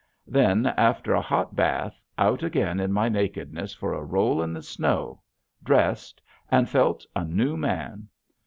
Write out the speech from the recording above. Then, after a hot bath, out again in my nakedness for a roll in the snow, dressed, and felt a new man.